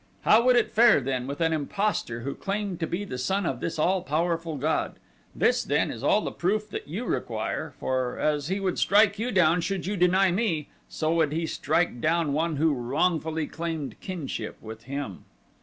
How would it fare then with an impostor who claimed to be the son of this all powerful god? This then is all the proof that you require, for as he would strike you down should you deny me, so would he strike down one who wrongfully claimed kinship with him."